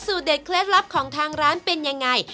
เด็ดเคล็ดลับของทางร้านเป็นยังไง